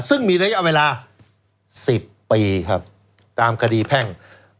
ซึ่งมีระยะเวลา๑๐ปีครับตามคดีแพ่ง